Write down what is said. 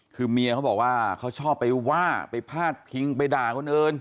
คือเมียเขาบอกว่าเขาชอบไปว่าไปพาดพิงไปด่าคนอื่น